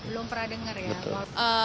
belum pernah dengar ya